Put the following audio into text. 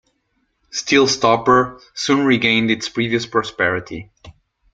Steal Stopper soon regained its previous prosperity.